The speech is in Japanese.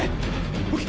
ＯＫ！